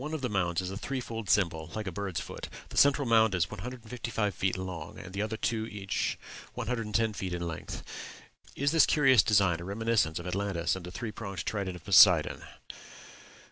One of the mounds is a threefold symbol, like a bird's foot; the central mound is 155 feet long, and the other two each 110 feet it length. Is this curious design a reminiscence of Atlantis and the three pronged trident of Poseidon?